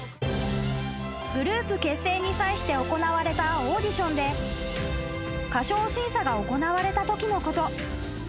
［グループ結成に際して行われたオーディションで歌唱審査が行われたときのこと］